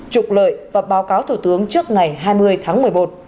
trục lợi và báo cáo thủ tướng trước ngày hai mươi tháng một mươi một